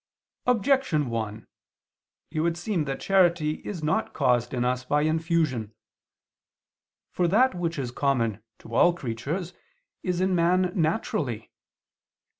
Objection 1: It would seem that charity is not caused in us by infusion. For that which is common to all creatures, is in man naturally.